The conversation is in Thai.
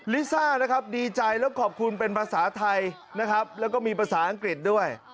ลิซ่านะครับดีใจแล้วขอบคุณเป็นภาษาไทยนะครับแล้วก็มีภาษาอังกฤษด้วย